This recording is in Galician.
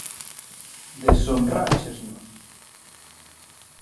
¡Deshonráchesnos!